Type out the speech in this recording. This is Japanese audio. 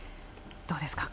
どうですか？